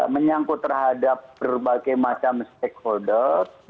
menyangkut terhadap berbagai macam stakeholder